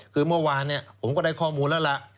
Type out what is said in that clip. คือเมื่อวานผมก็ได้ข้อมูลแล้วล่ะ